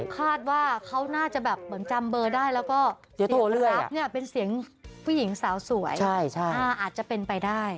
ผมคาดว่าเขาน่าจะจำเบอร์ได้แล้วก็เสียงผู้หญิงสาวสวยอาจจะเป็นไปได้